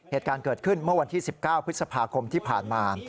เหตุการณ์เกิดขึ้นเมื่อวันที่๑๙พฤษภาคมที่ผ่านมา